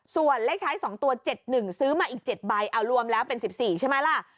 ส่วนเลขท้ายสองตัวเจ็ดหนึ่งซื้อมาอีกเจ็ดใบเอารวมแล้วเป็นสิบสี่ใช่ไหมล่ะ